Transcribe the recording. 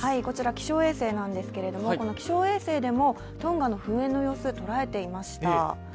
こちら気象衛星なんですけれども、この気象衛星でもトンガの噴煙の様子捉えていました。